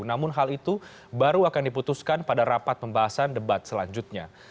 namun hal itu baru akan diputuskan pada rapat pembahasan debat selanjutnya